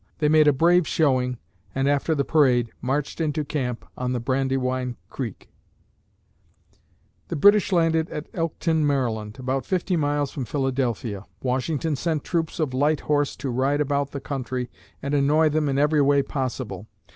They made a brave showing and after the parade, marched into camp on the Brandywine Creek. [Illustration: Washington and Alexander Hamilton] The British landed at Elkton, Maryland about fifty miles from Philadelphia. Washington sent troops of light horse to ride about the country and annoy them in every way possible.